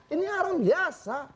ini orang biasa